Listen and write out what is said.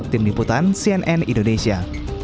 tim liputan cnn indonesia